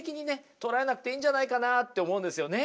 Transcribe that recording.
捉えなくていいんじゃないかなって思うんですよね。